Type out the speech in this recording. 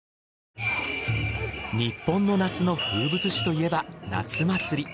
日本の夏の風物詩といえば夏祭り。